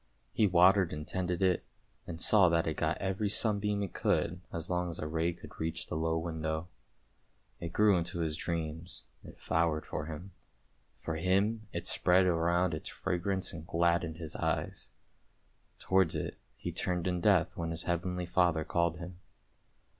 He watered and tended it, and saw that it got every sunbeam it could as long as a ray could reach the low window. It grew into his dreams, it flowered for him, and for him it spread around its fragrance and gladdened his eyes; towards it he turned in death when his Heavenly Father called him.